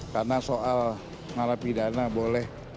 karena soal mengalami pidana boleh